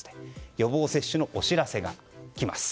予防接種のお知らせが来ます。